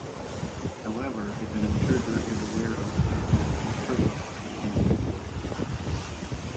However, if an intruder is aware of the technology's presence, it can be avoided.